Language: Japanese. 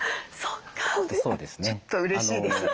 ちょっとうれしいです。